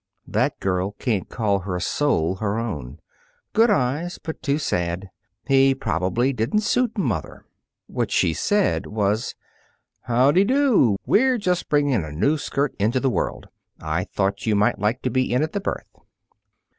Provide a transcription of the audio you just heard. That girl can't call her soul her own. Good eyes, but too sad. He probably didn't suit mother." What she said was: "Howdy do. We're just bringing a new skirt into the world. I thought you might like to be in at the birth."